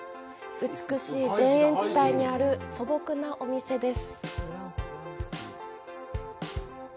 美しい田園地帯にある素朴なお店です。